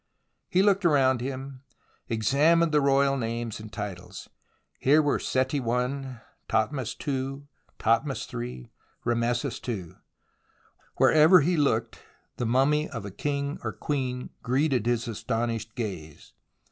He looked around him, examined the royal names and titles. Here were Seti i, Thothmes ii, Thothmes iii, Rameses ii. Wherever he looked the mummy of a king or queen greeted his astonished gaze.